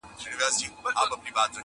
رنځ یې په کور وي طبیب نه لري دوا نه لري.!